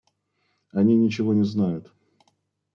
Они ничего не знают.